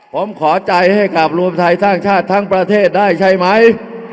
ผมขอใจให้กับรวมไทยสร้างชาติทั้งประเทศได้ใช่ไหม